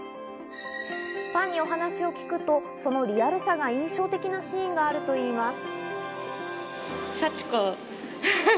ファンにお話を聞くと、そのリアルさが印象的なシーンがあるといいます。